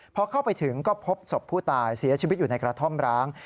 พอเข้าไปถึงก็พบศพผู้ตายเสียชีวิตอยู่ในกระท่อมร้าง